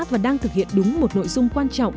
và đang thực hiện đúng một nội dung quan trọng